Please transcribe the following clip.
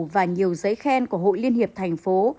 và nhiều giấy khen của hội liên hiệp thành phố